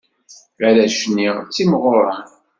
Arrac-nni ttimɣuren.